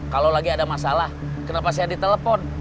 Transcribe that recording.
kalau lagi ada masalah kenapa saya ditelepon